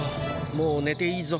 もうねていいぞ。